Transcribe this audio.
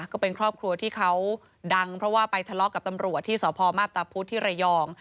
ก็เป็นครอบครัวที่เขาดังเพราะว่าไปทะเลาะกับตำรวจที่สพมาพตาพุธที่ระยอง